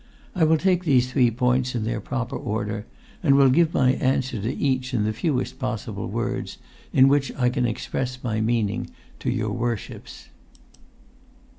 I will take these three points in their proper order, and will give my answer to each in the fewest possible words in which I can express my meaning to your worships.